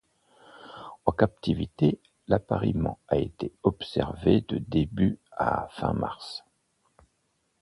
En captivité, l'appariement a été observé de début à fin mars.